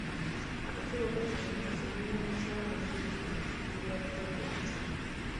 Akakiiko keesigamye ku kibiina bya busuubuzi okuvujjirira pulojekiti.